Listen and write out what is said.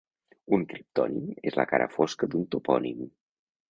Un criptònim és la cara fosca d'un topònim.